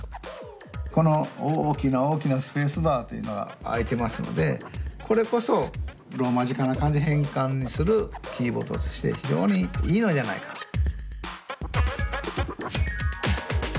この大きな大きなスペースバーというのが空いてますのでこれこそローマ字かな漢字変換するキーボードとして非常にいいのじゃないかと。